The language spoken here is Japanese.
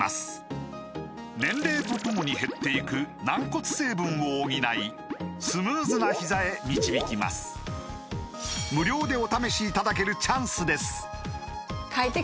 年齢とともに減っていく軟骨成分を補いスムーズなひざへ導きます無料でお試しいただけるチャンスです